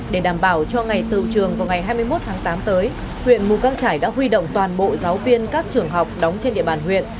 để đảm bảo cho ngày tự trường vào ngày hai mươi một tháng tám tới huyện mù căng trải đã huy động toàn bộ giáo viên các trường học đóng trên địa bàn huyện